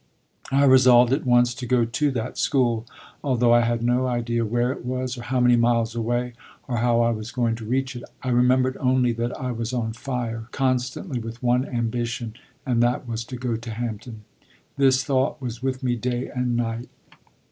I resolved at once to go to that school, although I had no idea where it was, or how many miles away, or how I was going to reach it; I remembered only that I was on fire constantly with one ambition, and that was to go to Hampton. This thought was with me day and night.